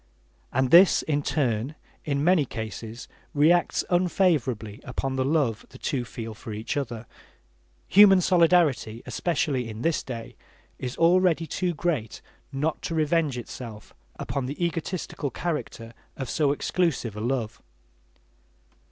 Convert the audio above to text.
And this, in turn, in many cases reacts unfavorably upon the love the two feel for each other. Human solidarity, especially in this day, is already too great not to revenge itself upon the egotistical character of so exclusive a love.